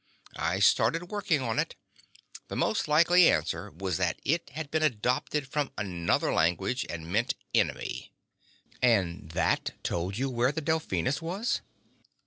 I started working on it. The most likely answer was that it had been adopted from another language, and meant enemy." "And that told you where the Delphinus was?"